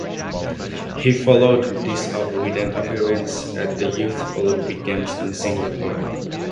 He followed this up with an appearance at the Youth Olympic Games in Singapore.